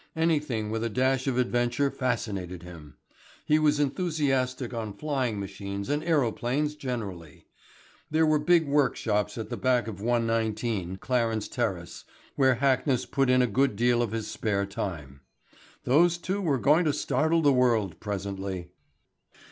Anything with a dash of adventure fascinated him. He was enthusiastic on flying machines and aeroplanes generally. There were big work shops at the back of 119, Clarence Terrace, where Hackness put in a good deal of his spare time. Those two were going to startle the world presently.